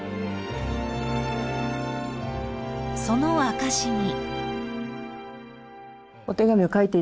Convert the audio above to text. ［その証しに］